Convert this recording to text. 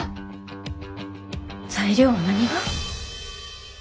材料は何が？